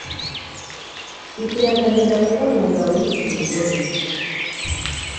Biteye agahinda kubona umugabo yica umugore